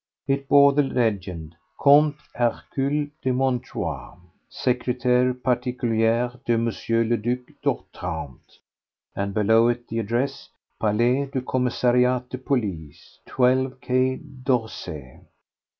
It bore the legend: "Comte Hercule de Montjoie, secrétaire particulier de M. le Duc d'Otrante," and below it the address, "Palais du Commissariat de Police, 12 Quai d'Orsay."